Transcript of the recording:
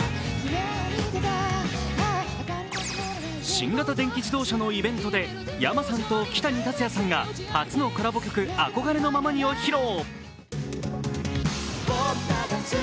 新型電気自動車のイベントでｙａｍａさんとキタニタツヤさんが初のコラボ曲「憧れのままに」を披露。